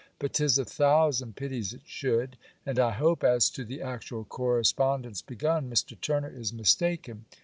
But 'tis a thousand pities it should. And I hope, as to the actual correspondence begun, Mr. Turner is mistaken.